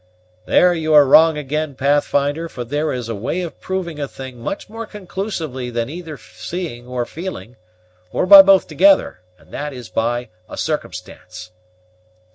"There you are wrong again, Pathfinder; for there is a way of proving a thing much more conclusively than either seeing or feeling, or by both together; and that is by a circumstance."